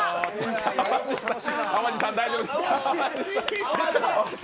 淡路さん、大丈夫ですか。